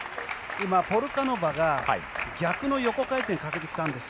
今、ポルカノバが逆の横回転をかけてきたんです。